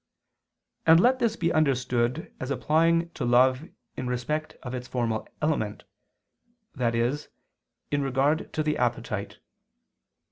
And let this be understood as applying to love in respect of its formal element, i.e. in regard to the appetite.